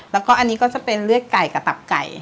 แล้วก็อันนี้ก็จะเป็นเลือดไก่กับตับไก่